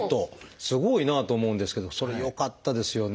すごいなと思うんですけどそれよかったですよね。